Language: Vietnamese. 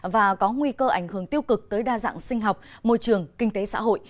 và có nguy cơ ảnh hưởng tiêu cực tới đa dạng sinh học môi trường kinh tế xã hội